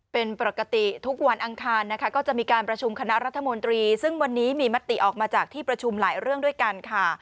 เป็นปกติทุกวันอังคารนะคะก็จะมีการประชุมคณะรัฐมนตรีซึ่งวันนี้มีมติออกมาจากที่ประชุมหลายเรื่องด้วยกันค่ะ